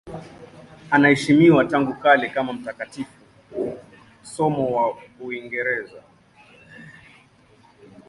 Anaheshimiwa tangu kale kama mtakatifu, somo wa Uingereza.